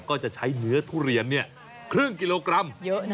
ก็จะใช้เนื้อทุเรียนครึ่งกิโลกรัมเยอะนะ